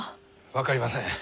分かりません。